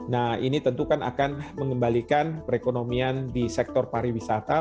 nah ini tentu kan akan mengembalikan perekonomian di sektor pariwisata